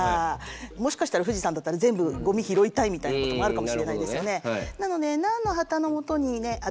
もしかしたら富士山だったら全部ゴミ拾いたいみたいなこともあるかもしれないですよね。